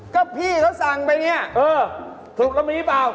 ก็พี่เขาสั่งไปนี่ตัวเป็นหรือเปล่าไม่เป็น